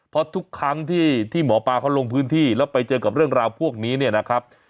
เพราะทุกครั้งที่หมอปลาเขาลงพื้นที่แล้วไปเจอกับเรื่องราวพวกนี้เนี่ยนะครับ